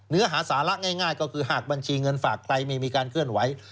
เนื้อหาสาระง่ายก็คือหากบัญชีเงินฝากใครไม่มีการเคลื่อนไหว